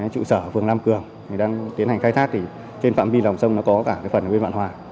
trụ sở phường lam cường đang tiến hành khai thác trên phạm vi lòng sông có cả phần huyên vạn hòa